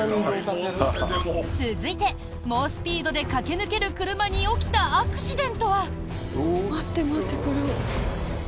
続いて、猛スピードで駆け抜ける車に起きたアクシデントは。